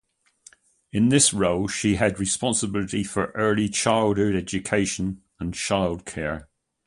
In this role she had responsibility for early childhood education and child care.